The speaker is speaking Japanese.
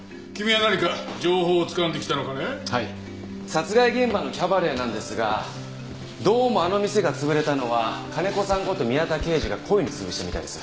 殺害現場のキャバレーなんですがどうもあの店が潰れたのは金子さんこと宮田刑事が故意に潰したみたいです。